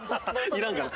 いらんかな？